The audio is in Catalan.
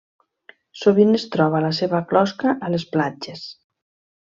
Sovint es troba la seva closca a les platges.